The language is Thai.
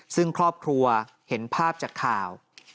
ซึ่งครอบครัวเห็นภาพจากข่าว